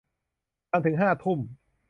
ทำถึงห้าทุ่ม